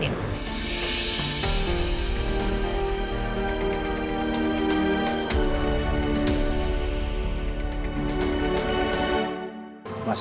rena adalah anak nino